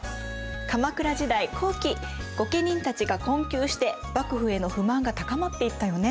鎌倉時代後期御家人たちが困窮して幕府への不満が高まっていったよね。